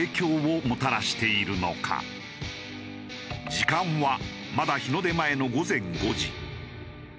時間はまだ日の出前の午前５時。